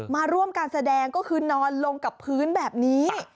มาร่วมการแสดงก็คือนอนลงกับพื้นแบบนี้